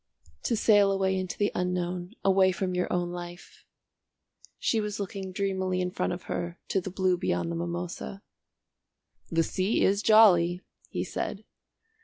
To sail away into the unknown, away from your own life " She was looking dreamily in front of her to the blue beyond the mimosa. "The sea is jolly," he said.